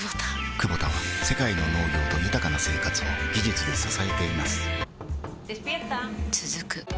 クボタは世界の農業と豊かな生活を技術で支えています起きて。